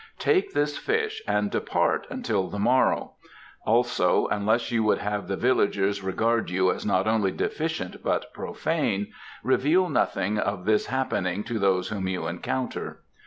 Take this fish and depart until the morrow. Also, unless you would have the villagers regard you as not only deficient but profane, reveal nothing of this happening to those whom you encounter."